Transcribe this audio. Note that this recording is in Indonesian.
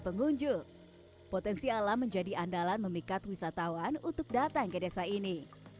pengunjung potensi alam menjadi andalan memikat wisatawan untuk datang ke desa ini